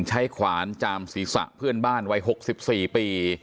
ใช้ขวานจามศีรษะเพื่อนบ้านวัยหกสิบสี่ปี